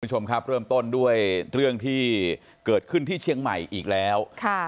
คุณผู้ชมครับเริ่มต้นด้วยเรื่องที่เกิดขึ้นที่เชียงใหม่อีกแล้ว